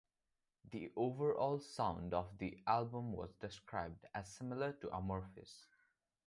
The overall sound of the album was described as similar to Amorphis.